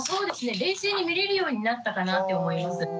冷静に見れるようになったかなって思います。